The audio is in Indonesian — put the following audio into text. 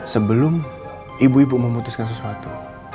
sebelum ibu ibu memutuskan sesuatu